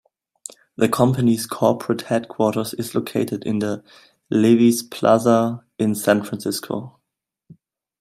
The company's corporate headquarters is located in the Levi's Plaza in San Francisco.